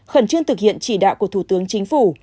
khẩn trương thực hiện chỉ đạo của thủ tướng chính phủ